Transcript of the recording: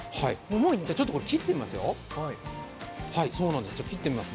ちょっと切ってみますよ。